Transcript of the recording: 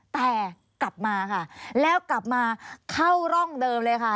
แต่กลับมาค่ะแล้วกลับมาเข้าร่องเดิมเลยค่ะ